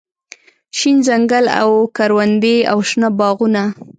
شين ځنګل او کروندې او شنه باغونه